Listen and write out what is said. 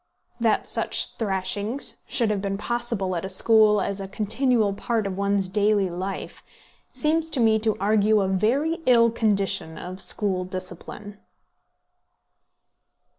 That such thrashings should have been possible at a school as a continual part of one's daily life, seems to me to argue a very ill condition of school discipline.